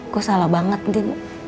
gue salah banget din